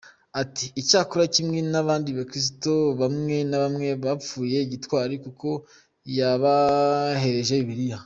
Ati “Icyakora kimwe n’abandi bakirisito bamwe na bamwe, yapfuye gitwari kuko yabahereje bibiriya.